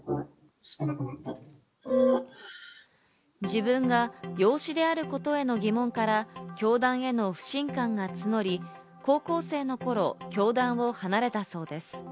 自分が養子であることへの疑問から教団への不信感が募り、高校生の頃、教団を離れたそうです。